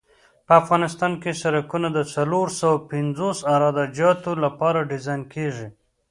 په افغانستان کې سرکونه د څلور سوه پنځوس عراده جاتو لپاره ډیزاین کیږي